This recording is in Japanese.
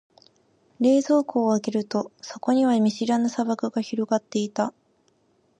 冷蔵庫を開けると、そこには見知らぬ砂漠が広がっていた。